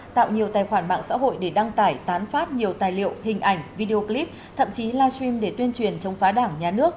tạo nhiều tài khoản mạng xã hội để đăng tải tán phát nhiều tài liệu hình ảnh video clip thậm chí live stream để tuyên truyền chống phá đảng nhà nước